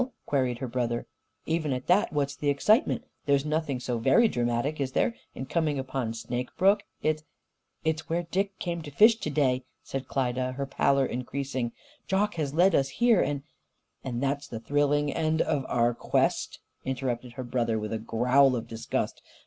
queried her brother. "Even at that, what's the excitement? There's nothing so very dramatic, is there, in coming upon Snake Brook? It's " "It's where Dick came to fish to day," said Klyda, her pallor increasing. "Jock has led us here, and " "And that's the thrilling end of our quest?" interrupted her brother with a growl of disgust.